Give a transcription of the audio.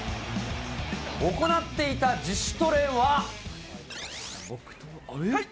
行っていた自主トレは。